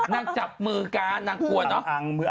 นักจับเมืองนางกวนเว้น